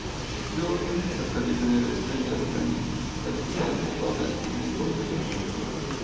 June cerca di tenere sveglia Janine per evitare che vada in ipotermia.